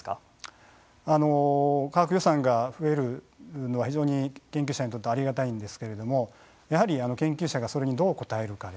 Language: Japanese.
科学予算が増えるのは非常に研究者にとってはありがたいんですけれどもやはり研究者がそれにどう応えるかですね。